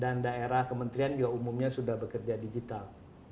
dan daerah kementerian juga umumnya sudah bekerja digital